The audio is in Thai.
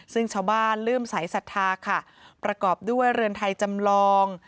ซึ่งชาวบ้านเลื่อมสายศรัทธาค่ะประกอบด้วยเรือนไทยจำลอง